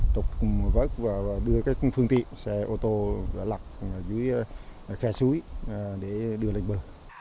tục cùng vớt và đưa các phương tiện xe ô tô lặt dưới khe suối để đưa lên bờ